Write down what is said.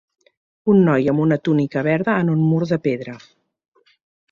Un noi amb una túnica verda en un mur de pedra.